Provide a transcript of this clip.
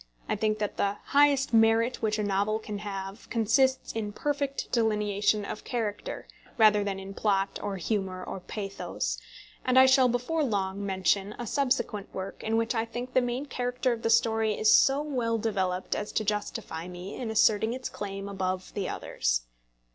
I think that the highest merit which a novel can have consists in perfect delineation of character, rather than in plot, or humour, or pathos, and I shall before long mention a subsequent work in which I think the main character of the story is so well developed as to justify me in asserting its claim above the others.